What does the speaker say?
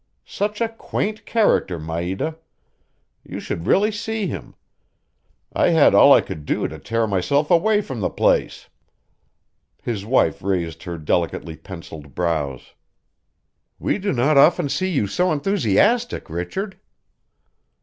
Such a quaint character, Maida! You really should see him. I had all I could do to tear myself away from the place." His wife raised her delicately penciled brows. "We do not often see you so enthusiastic, Richard."